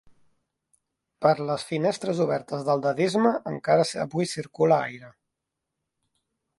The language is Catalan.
Per les finestres obertes del dadaisme encara avui circula aire.